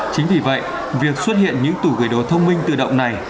chính vì vậy việc xuất hiện những tủ gửi đồ thông minh tự động này